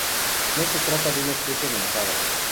No se trata de una especie amenazada.